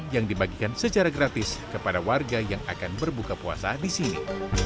yang dibagikan secara gratis kepada warga yang akan berbuka puasa di sini